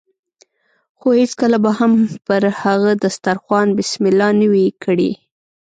خو هېڅکله به مې هم پر هغه دسترخوان بسم الله نه وي کړې.